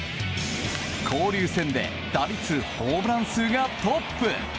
交流戦で打率、ホームラン数がトップ！